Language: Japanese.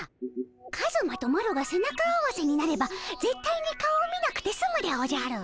カズマとマロが背中合わせになればぜったいに顔を見なくてすむでおじゃる。